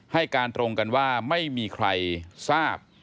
ให้การตรงกันว่าไม่มีใครทราบ